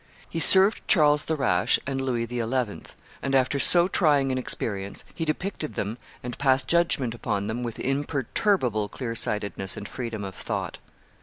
He served Charles the Rash and Louis XI.; and, after so trying an experience, he depicted them and passed judgment upon them with imperturbable clearsightedness and freedom of thought.